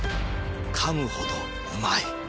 噛むほどうまい。